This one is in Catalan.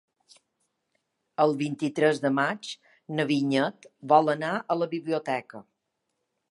El vint-i-tres de maig na Vinyet vol anar a la biblioteca.